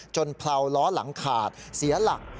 เผลาล้อหลังขาดเสียหลัก